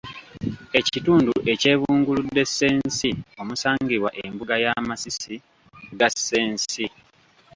Ekitundu ekyebunguludde ssensi omusangibwa embuga y'amasisi ga ssensi.